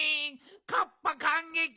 カッパかんげき！